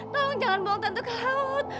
tolong jangan bawa tante ke laut